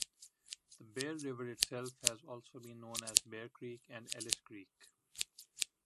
The Bear River itself has also been known as "Bear Creek" and "Ellis Creek".